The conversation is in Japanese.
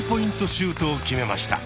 シュートを決めました。